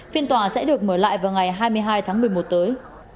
phiên tòa sẽ được mở lại vào ngày hai mươi hai tháng một mươi một tới